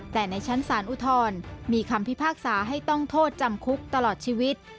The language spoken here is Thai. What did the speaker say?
แต่ในชั้นศาลอุทธรณ์มีคำพิพากษาให้ต้องโทษจำคุกตลอดชีวิต